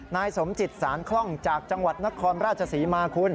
นายสมจิตสารคล่องจากจังหวัดนครราชศรีมาคุณ